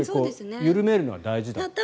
緩めるのは大事だって。